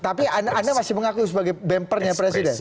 tapi anda masih mengaku sebagai bempernya presiden